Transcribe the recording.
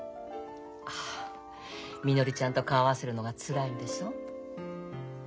あみのりちゃんと顔合わせるのがつらいんでしょ？